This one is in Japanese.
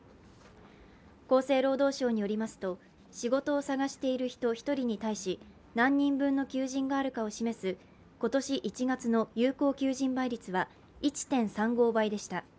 厚生労働省によりますと仕事を探している人１人に対し何人分の求人があるかを示す今年１月の有効求人倍率は１．３５倍でした。